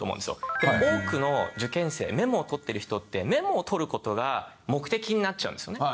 でも多くの受験生メモを取ってる人ってメモを取る事が目的になっちゃうんですね。